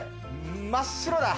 真っ白だ。